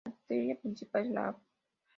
La arteria principal es la Av.